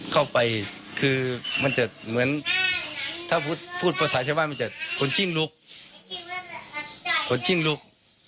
เข้าไปคือมันจะเหมือนถ้าพูดภาษาชาวบ้านมันจะขนชิ่งลุกขนชิ่งลุก